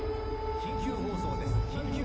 緊急放送です。